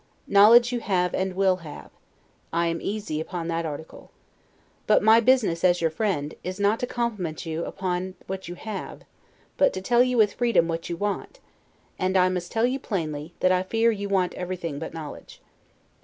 Knowledge you have, and will have: I am easy upon that article. But my business, as your friend, is not to compliment you upon what you have, but to tell you with freedom what you want; and I must tell you plainly, that I fear you want everything but knowledge.